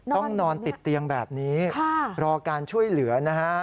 ต้องนอนติดเตียงแบบนี้รอการช่วยเหลือนะฮะ